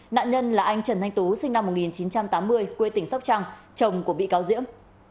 nạn nhân là anh trần thanh tú sinh năm một nghìn chín trăm tám mươi quê tỉnh sóc trăng chồng của bị cáo diễm